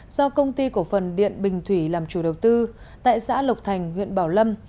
do công ty cổ phần điện bình thủy làm chủ đầu tư tại xã lộc thành huyện bảo lâm